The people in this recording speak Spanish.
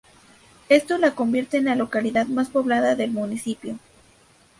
Esto la convierte en la localidad mas poblada del municipio.